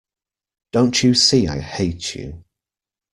Don't you see I hate you.